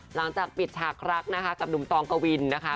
หลังจากปิดฉากรักนะคะกับหนุ่มตองกวินนะคะ